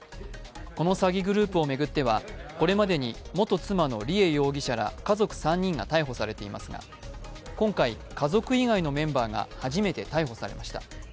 この詐欺グループを巡ってはこれまでに元妻の梨恵容疑者ら家族３人が逮捕されていますが、今回家族以外のメンバーが初めて逮捕されました。